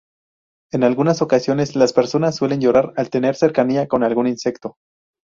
En algunas ocasiones las personas suelen llorar al tener cercanía con algún insecto.